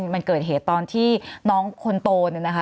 มันเกิดเหตุตอนที่น้องคนโต